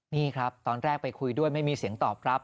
นี่ครับตอนแรกไปคุยด้วยไม่มีเสียงตอบรับ